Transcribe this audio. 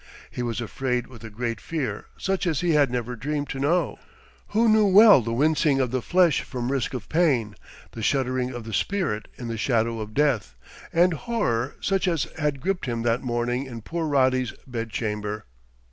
He was afraid with a great fear such as he had never dreamed to know; who knew well the wincing of the flesh from risk of pain, the shuddering of the spirit in the shadow of death, and horror such as had gripped him that morning in poor Roddy's bed chamber.